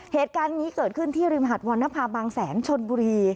เหตุการณ์นี้เกิดขึ้นที่ริมหาดวรรณภาบางแสนชนบุรี